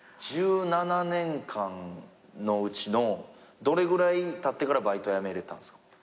１７年間のうちのどれぐらいたってからバイト辞めれたんすか？